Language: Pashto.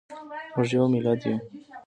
موږ یو ملت یو.